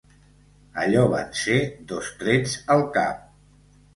Allò van ser dos trets al cap.